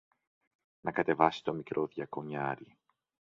να κατεβάσει το μικρό διακονιάρη